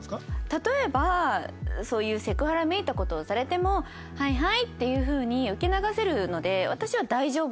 例えばそういうセクハラめいた事をされても「はいはい」っていう風に受け流せるので。